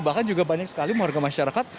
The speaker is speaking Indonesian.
bahkan juga banyak sekali warga masyarakat